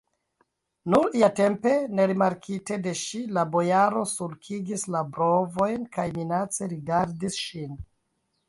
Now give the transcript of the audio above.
Nur iatempe, nerimarkite de ŝi, la bojaro sulkigis la brovojn kaj minace rigardis ŝin.